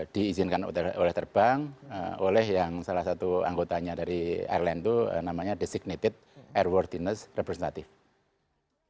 diizinkan oleh terbang oleh yang salah satu anggotanya dari airline itu namanya designated airworthinness representative